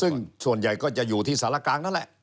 ซึ่งส่วนใหญ่ก็จะอยู่ที่สารกลางนั่นแหละ